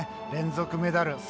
連続メダル。